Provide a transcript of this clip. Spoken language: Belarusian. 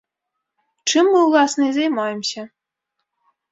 Чым мы ўласна і займаемся.